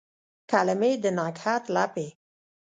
کلمې د نګهت لپې